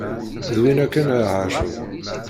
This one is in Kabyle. D winna kan a Ɛacur!